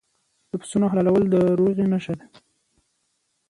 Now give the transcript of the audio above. د پسونو حلالول د روغې نښه ده.